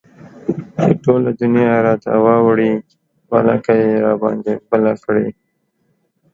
چې ټوله دنيا راته واوړي ولاکه يي راباندى بله کړي